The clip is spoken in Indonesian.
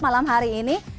malam hari ini